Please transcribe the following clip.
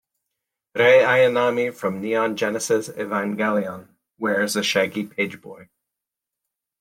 Rei Ayanami from "Neon Genesis Evangelion" wears a shaggy pageboy.